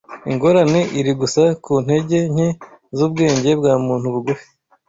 Ingorane iri gusa ku ntege nke z’ubwenge bwa muntu bugufi.